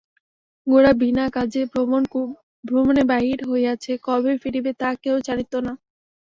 গোরা বিনা কাজে ভ্রমণে বাহির হইয়াছে, কবে ফিরিবে তাহা কেহ জানিত না।